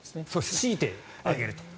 強いて挙げると。